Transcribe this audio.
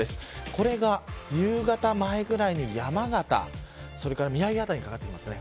これが夕方前くらいに山形それから宮城辺りにかかってきます。